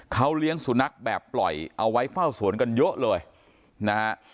เขาเลี้ยงสุนัขแบบปล่อยเอาไว้เฝ้าสวนกันเยอะเลยนะฮะ